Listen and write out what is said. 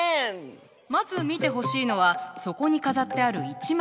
まず見てほしいのはそこに飾ってある一枚の絵。